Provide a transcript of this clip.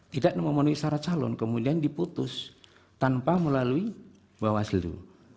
tidak memenuhi syarat calon kemudian diputus tanpa melalui bawaslu